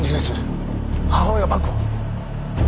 母親がバッグを。